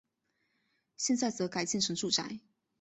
现在则改建成住宅。